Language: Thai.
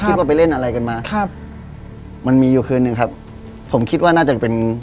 ไปเล่นอะไรกันมาครับมันมีอยู่คืนหนึ่งครับผมคิดว่าน่าจะเป็น